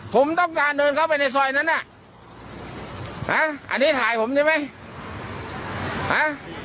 ผมต้องการเดินเข้าไปในซอยนั้นน่ะนะอันนี้ถ่ายผมได้ไหมฮะ